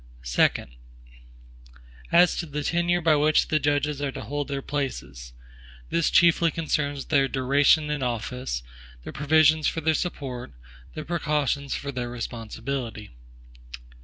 Second. As to the tenure by which the judges are to hold their places; this chiefly concerns their duration in office; the provisions for their support; the precautions for their responsibility.